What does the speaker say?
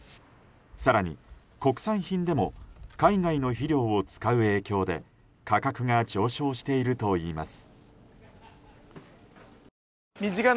更に国産品でも海外の肥料を使う影響で価格が上昇しているといいます。